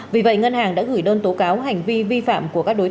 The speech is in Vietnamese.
vì vậy ngân hàng đã gửi đơn tố cáo hành vi vi phạm